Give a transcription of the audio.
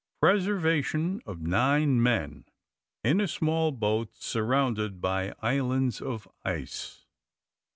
PRESERVATION OF NINE MEN, IN A SMALL BOAT, SURROUNDED BY ISLANDS OF ICE.